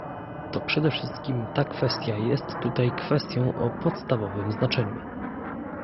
To przede wszystkim ta kwestia jest tutaj kwestią o podstawowym znaczeniu